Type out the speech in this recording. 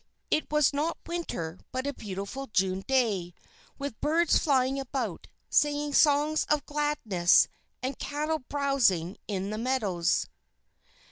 It was not winter, but a beautiful June day, with birds flying about, singing songs of gladness, and cattle browsing in the meadows.